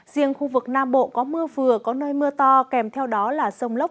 riêng khu vực nam bộ có mưa vừa có nơi mưa to kèm theo đó là sông lốc